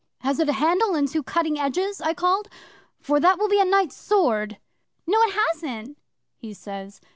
'"Has it a handle and two cutting edges?" I called. "For that'll be a Knight's Sword." '"No, it hasn't," he says.